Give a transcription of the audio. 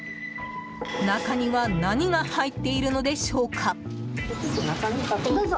中には何が入っているのでしょうか。